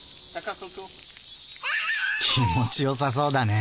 気持ちよさそうだね。